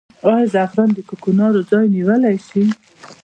آیا زعفران د کوکنارو ځای نیولی شي؟